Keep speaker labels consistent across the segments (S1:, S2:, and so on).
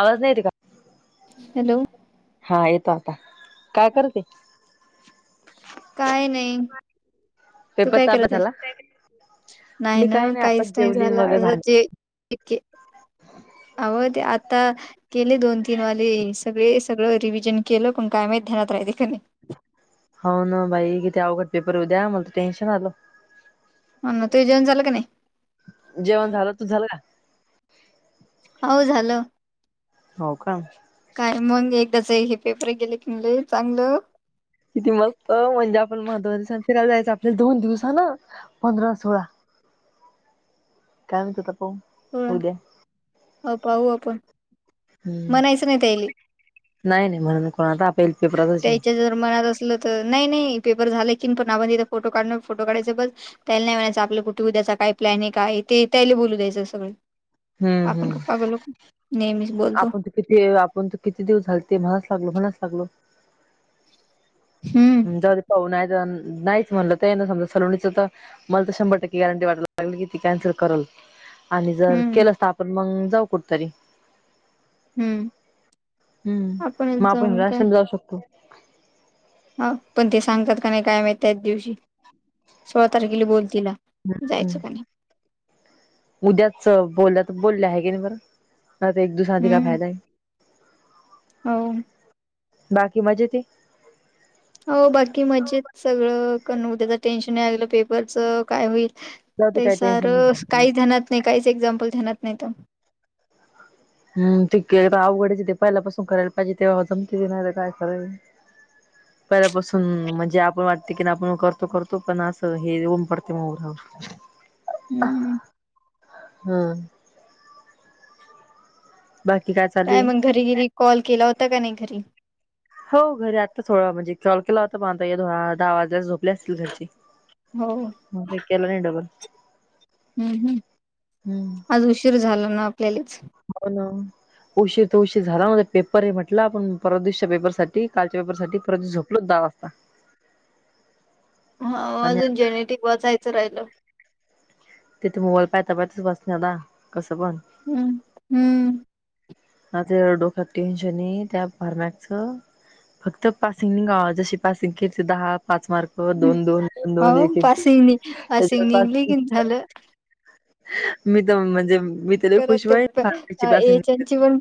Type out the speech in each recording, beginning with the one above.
S1: आवाज नाही येत का
S2: हॅलो
S1: हा येतो. काय करते?
S2: काय नाही. तू काय
S1: पेपरचा अभ्यास
S2: करत?
S1: झाला?
S2: नाय
S1: मी
S2: ना
S1: काय
S2: हा
S1: नाही आताच
S2: कायच नाय
S1: जेवलीन वगैरे
S2: झालं,
S1: भांडी
S2: जे ठीक आहे. आयो ते आता गेले दोन, तीन वाले. सगळे सगळं रिव्हजन केलं पण काय माहित ध्यात राहिते का नाही.
S1: हो ना बाई किती अवघड पेपरऊ द्या मला टेन्शन आल.
S2: [unintelligible]
S1: जेवण झालं तुझ झालं का?
S2: हो झालं.
S1: हो का!
S2: काय मग एकच हाय इथ गेल चांगल.
S1: किती मस्त म्हणजे आपण महत्वा दिस फिरायला जायचं आपले दोन दिवस ना. पंधरा, सोळा काय म्हतता पा
S2: होय, अगाऊ आपण म्हणायचं नाही त्यायले
S1: नाय नाय म्हणून आपण पेपराचं
S2: त्याच्या जर मनात असलं तर नाही नाही पेपर झालं कीन पण आपण तिथे फोटो काढणार फोटो काढायच बस. त्याला नाही म्हणायचं आपलं कुठे उद्याचा काय प्लॅनिंग आहे ते त्याला बोलू द्यायचं सगळं.
S1: हम्म
S2: आपण
S1: हम्म
S2: गप्पा गलो नेहमीच बोलतो.
S1: आपण तर किती वेळ [inaudible]
S2: हम.
S1: जाऊदे पावन आहेत नायचं म्हणलं तर यांना समजत होतं. मला तर शंभर टक्के गॅरंटी वाटत होती ती कॅन्सल करेल. आणि जर
S2: हम्म
S1: केलंस तर आपण मग जाऊ कुठेतरी.
S2: हम्म.
S1: हम्म, मग
S2: आपणच
S1: आपण
S2: जाऊन काय
S1: वेहसे न जाऊ शकतो.
S2: हा ते सांगतात काय नाही त्या दिवशी. सोळा तारखेला बोल तिला जायचं का नाही?
S1: उद्याच बोल बोलल्या आहे की नाही बरंता एक दुसा आधी काय
S2: हम्म
S1: फायदा आहे.
S2: हो.
S1: बाकी मजेत ते
S2: हो बाकी मजेत सगळं करण उ त्या्याच टेन्शन नाही आलं पेपरच काय होईल
S1: जाऊ दे
S2: काई
S1: काही
S2: सार,
S1: टेन्शन नाही
S2: काय ध्येणात नाही काय एक्संपल ध्यानात न्हवत.
S1: [unintelligible] पहिल्यापासून म्हणजे आपण वाटते की आपण करतो. करतो पण आता हे ओमकार मूळ होत.
S2: हम्म
S1: हम्म. बाकी काय चालू
S2: काय
S1: आहे
S2: मग घरी घरी कॉल केला होता का नाही घरी.
S1: हो घरी आत्ता थोडं म्हणजे कॉल केला होता पाहता दहा वाजे झोपले असतील घरची.
S2: हो.
S1: मग काय केल्या नाही डबल.
S2: हम्म हम् आज उशीर झाला ना आपल्यालाच.
S1: हो ना. उशीर ते उशीर झाला म्हणलं, पेपर हाय म्हणलं आपण परवा दिवशी पेपर साठी कालच्या च्या पेपर साठी परत झोपलो. [unintelligible]
S2: हा अजून जेनेटिक वाचायचं राहिलं.
S1: तिथे मोबाईल पाहता [unintelligible] नां कसं पण
S2: हम्म हम्म
S1: हां ते डोक्यात टेन्शनी त्या फार मागच फक्त पासिंग नि गा जशी पासिंग किती दहा पाच मार्क हो
S2: हम्म
S1: दोन दोन, दोन
S2: हो
S1: एक, एक
S2: पासिंगनी
S1: त्याच्या
S2: पासिंग निघली की
S1: पासिंग
S2: झालं
S1: मी दोन म्हणजे मी तर लई
S2: खर
S1: खुश
S2: ते
S1: होईल
S2: पण
S1: फार्मॅकची पासिंग
S2: यायचन ची पण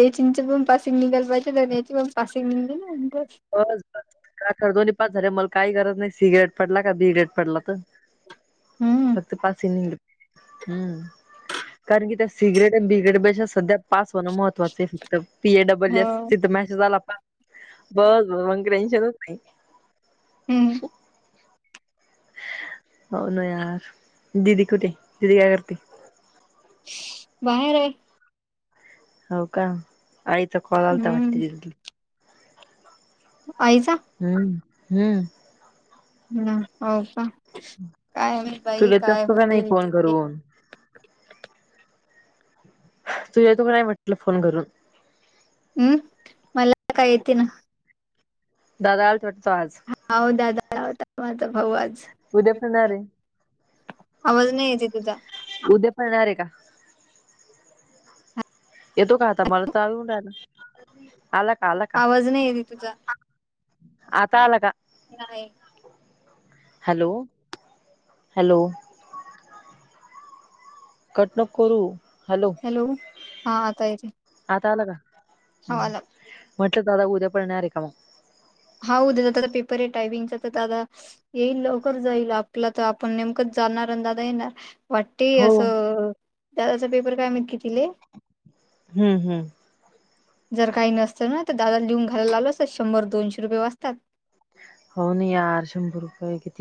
S2: एचींच पण पासिंग निघायला पाहिजे, तर एची पण पासिंग निघली ना [unintelligible]
S1: बस बस काय का दोन्ही पास झाले. मला काही गरज नाही सी ग्रेड पडला, का बी ग्रेड पडला तर
S2: हम्म
S1: फक्त पासींग निड हम्म कारण की त्या सी ग्रेड आणि बी ग्रेडपेक्षा सध्या पास होणं महत्त्वाच आहे, फक्त पी ए डबल
S2: हो
S1: एस तिथं मेसेज आला पास बस बस मग टेन्शनच नाही
S2: हम्म
S1: हं होना यार, दिदी कुठे? दिदी काय करते?
S2: [unintelligible] बाहेर हाय.
S1: होव का आईचा कॉल आलता
S2: हम्म
S1: वाटते दिदीले?
S2: आईचा
S1: हम हम्म
S2: हं होव का, काय माहित बाई
S1: तुला येत
S2: काय
S1: असतो का नाही फोन
S2: होतय?
S1: करून
S2: [unintelligible]
S1: तू येतो काय नाही म्हटलं फोन करून?
S2: हम्म मला काय येते ना?
S1: दादा आलत वाटतं आज
S2: होव दादा आला होता. माझा भाऊ आज
S1: उद्या पण येणार ए,
S2: आवाज नाही येते तुझा
S1: उद्या पण येणार आहे का? येतो का? आता मला तर येवून राहीलं. आला का? आला का?
S2: आवाज नाही येते तुझा
S1: आता आला का?
S2: नाही.
S1: हॅलो, हॅलो कट नको करू.
S2: हॅलो! हां आता येतोय.
S1: आता आला का? हंम म्हटलं दादा उद्या पण येणार आहे का मग?
S2: हा उद्या तर त्याचा पेपर आहे टायपिंगचा, तर दादा येईल लवकर जाईल, आपलं तर आपण नेमकंच जाणार अन् दादा येणार वाटतेय
S1: हो
S2: असंअअअ, दादाचा पेपर काय माहीत कितीले?
S1: हुं हुं.
S2: जर काही नसतं ना, तर दादाला न्हीहून घालायला लावलं असतं, शंभर दोनशे रुपये वाचतात.
S1: हो ना यार शंभर रुपये कित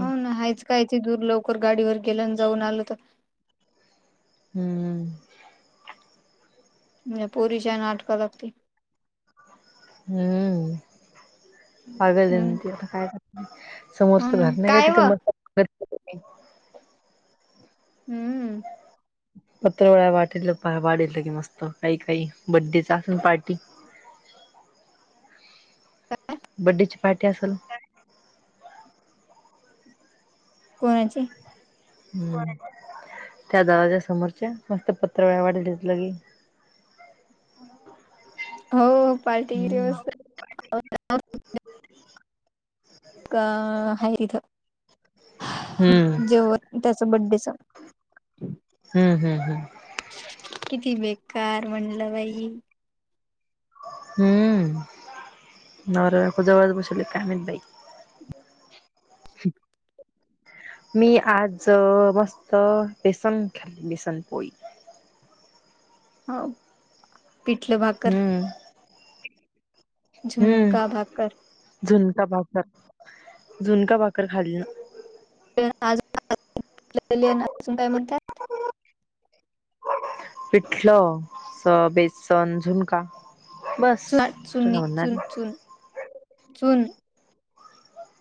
S2: हों ना हायच काय ते दूर लवकर गाडीवर गेलं आणि जाऊन आल तर
S1: हुं म.
S2: म्या पोरीच्यान आटपाय लागते
S1: हुं हुं आगल
S2: हम्म
S1: दिन तेत काय कर
S2: हो
S1: समोरचं
S2: ना
S1: घर नाही का [unintelligible]
S2: काय
S1: तिथे
S2: व
S1: मत् टाकत
S2: हम्मम
S1: पत्रवळा वाटेल तर वाढेल, की मस्त काही काही बड्डेच असेल पार्टी. बड्डेची पार्टी असल
S2: कोणाची?
S1: हम्म [unintelligible] त्या दरवाजा समोरच्या मस्त पत्रावळ्या वाढलेल्यात की
S2: हो व.
S1: हम्म [unintelligible]
S2: का हाय तिथ?
S1: हम्म
S2: जेवन त्याच्या बड्डेच
S1: हू हू.
S2: किती बेकार म्हणलं बाई?
S1: हम्म, नवरा बायको जवळ बशिवलेत काय माहीत बाई. मी आज मस्त बेसन खाल्ली, बेसन पोळी.
S2: हो, पिठलं भाकर.
S1: हम्म
S2: झुणका
S1: हम्म
S2: भाकर.
S1: झुणका भाकर, झणका भाकर खाली.
S2: [unintelligible]
S1: पिठलं, स बेसन झुणका बस दुसरं काय म्हणणार
S2: [unintelligible]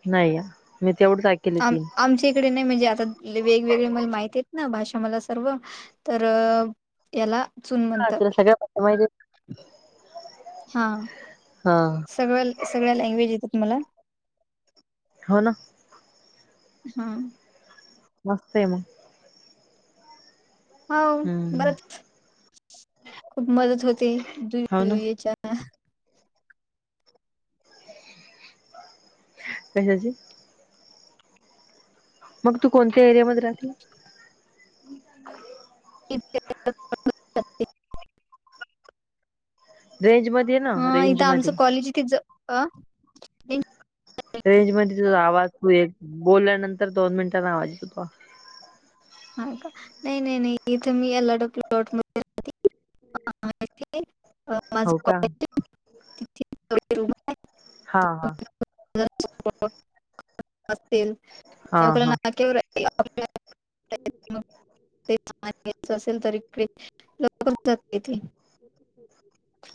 S1: नाही, हा मी तेवढंच. ऐकले
S2: आम
S1: तीन
S2: आमटी. नाही. म्हणजे आता वेगवेगळे मला माहिती आहेत. ना भाषा मला सर्व तर हेला चून म्हणतात.
S1: [unintelligible]
S2: हा
S1: हा
S2: सगळ सगळ्या लँग्वेज येतात. तुम्हाला,
S1: हो ना.
S2: हा.
S1: मस्त आहे. मग, हम्म हो ना
S2: [unintelligible]
S1: कशाची मग तू कोणत्या एरियामध्ये राहते.
S2: [unintelligible]
S1: रेंजमध्ये ये ना,
S2: ह
S1: रेंज
S2: इथं,
S1: मध्ये
S2: आमचं कॉलेज इथेच
S1: रेंजमध्ये तुझा आवाज तू एक बोलल्यानंतर दोन मिनिटांनी आवाज येतो.
S2: [unintelligible]
S1: हो का?
S2: [unintelligible]
S1: हा हा, हा हा.
S2: [unintelligible] [unintelligible]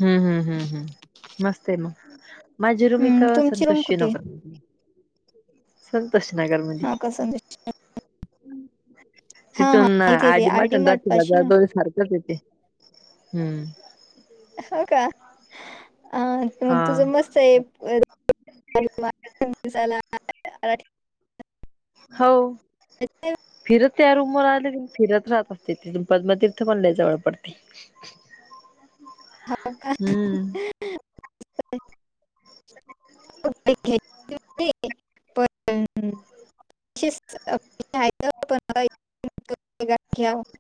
S1: हम्म हम्म हम्म हम्म मस्त आहे मग, माझी रूम इथ
S2: हम्म, तुमची रूम
S1: संतोषी
S2: कुठे आहे?
S1: नगर, संतोष नगरमध्ये
S2: हा का संदेश हा हा इथे इथे आर डी मार्ट पाशी ना
S1: [unintelligible] हम्म.
S2: हो, का अ
S1: हा
S2: मग तुझं मस्त [unintelligible]
S1: हो फिरत त्या रूम वर आले, फिरत राहत असते. तिथून पद्मतीर्थ मला लय जवळ पडती.
S2: हो का
S1: हम्म, [inaudible]
S2: [unintelligible] [unintelligible]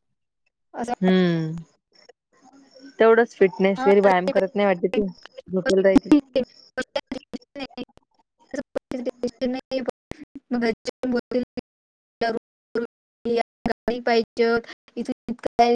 S2: असं
S1: हम्म - तेवढच फिटनेस घरी व्यायाम करत
S2: वाटतं.
S1: नाही वाटते. झोपून राहायचं. [inaudible]
S2: [unintelligible] [unintelligible]